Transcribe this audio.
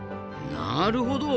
なるほど。